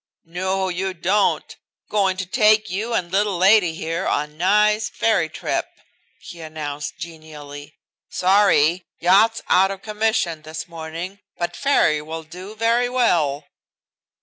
"No you don't goin' to take you and little lady here on nice ferry trip," he announced genially. "Sorry, yacht's out of commission this morning, but ferry will do very well."